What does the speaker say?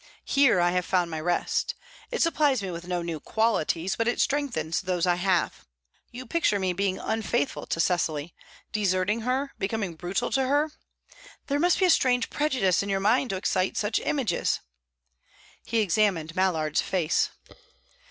Here I have found my rest. It supplies me with no new qualities, but it strengthens those I have. You picture me being unfaithful to Cecily deserting her, becoming brutal to her? There must be a strange prejudice in your mind to excite such images." He examined Mallard's face.